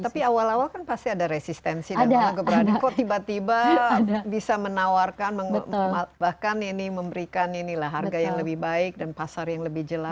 tapi awal awal kan pasti ada resistensi dan juga keberadaan kok tiba tiba bisa menawarkan bahkan ini memberikan inilah harga yang lebih baik dan pasar yang lebih jelas